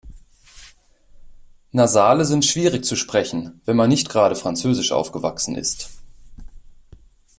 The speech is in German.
Nasale sind schwierig zu sprechen, wenn man nicht gerade französisch aufgewachsen ist.